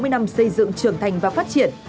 sáu mươi năm xây dựng trưởng thành và phát triển